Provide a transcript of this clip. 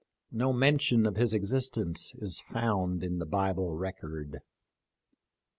No mention of his existence is found in the Bible record.